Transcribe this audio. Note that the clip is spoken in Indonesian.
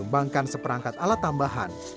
bangkan seperangkat alat tambahan